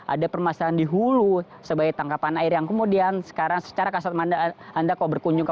ada permasalahan di hulu sebagai tangkapan air yang kemudian sekarang secara kasat anda kok berkunjung ke